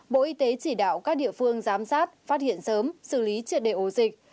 bộ y tế chỉ đạo các địa phương giám sát phát hiện sớm xử lý triệt đề ổ dịch